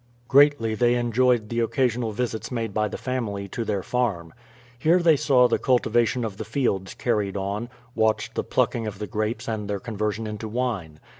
Greatly they enjoyed the occasional visits made by the family to their farm. Here they saw the cultivation of the fields carried on, watched the plucking of the grapes and their conversion into wine.